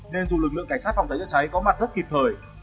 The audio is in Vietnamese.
nên dù lực lượng cảnh sát phòng cháy chữa cháy có mặt rất kịp thời